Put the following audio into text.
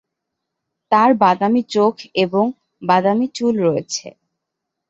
তার বাদামী চোখ, এবং বাদামী চুল রয়েছে।